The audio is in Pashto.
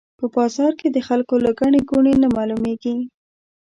په بازار کې د خلکو له ګڼې ګوڼې نه معلومېږي.